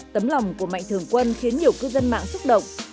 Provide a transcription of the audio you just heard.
tấm lòng của mạnh thường quân khiến nhiều cư dân mạng xúc động